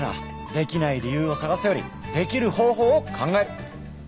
できない理由を探すよりできる方法を考える！